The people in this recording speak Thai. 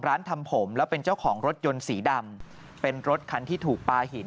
ทำผมแล้วเป็นเจ้าของรถยนต์สีดำเป็นรถคันที่ถูกปลาหิน